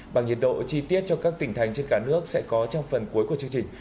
bằng nhiệt độ chi tiết cho các tỉnh thành trên cả nước sẽ có trong phần cuối của chương trình